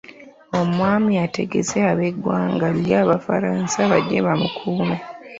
Omwami ategeeze ab'eggwanga lye Abafransa bajje bamukuume.